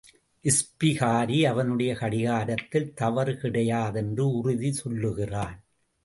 இஸ்பிகாரி, அவனுடைய கடிகாரத்தில் தவறு கிடையாதென்று உறுதி சொல்லுகிறான்.